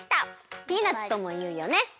ピーナツともいうよね。